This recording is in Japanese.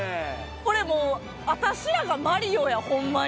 これもう私らがマリオやホンマに。